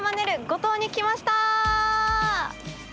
五島に来ました！